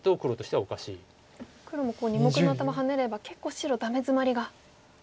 黒も２目の頭ハネれば結構白ダメヅマリが。